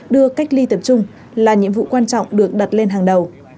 đưa cách ly tập trung là nhiệm vụ quan trọng được đặt lên hàng đầu